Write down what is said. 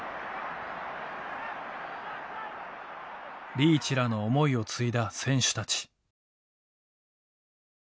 リーチらの思いを継いだ選手たち。